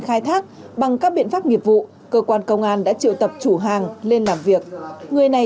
khai thác bằng các biện pháp nghiệp vụ cơ quan công an đã triệu tập chủ hàng lên làm việc người này